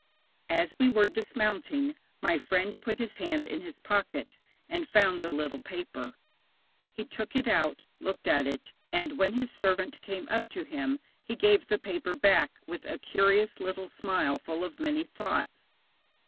As we were dismounting, my friend put his hand in his pocket, and found the little paper. He took it out, looked at it, and when his servant came up to him he gave the paper back with a curious little smile full of many thoughts.